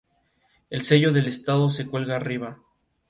En ocasiones puede soplar viento fuerte.